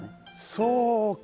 そうか！